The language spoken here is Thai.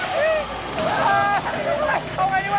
เปล่าไงนี่บ้านใหญว่ะ